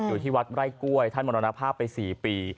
อยู่ที่วัดไร่กล้วยท่านมรณภาพไป๔ปี